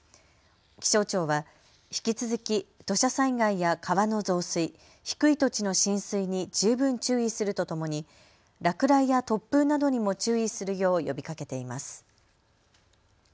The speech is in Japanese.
気象庁は引き続き土砂災害や川の増水、低い土地の浸水に十分注意するとともに落雷や突風などにも注意するよう呼びかけています。